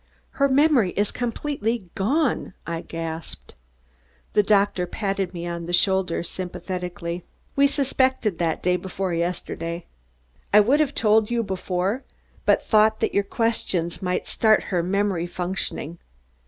"Her memory is completely gone!" I gasped. The doctor patted me on the shoulder sympathetically. "We suspected that day before yesterday. I would have told you before, but thought that your questions might start her memory functioning."